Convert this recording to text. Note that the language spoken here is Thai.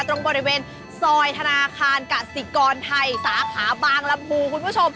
ตรงบริเวณซอยธนาคารกสิกรไทยสาขาบางลำพูคุณผู้ชม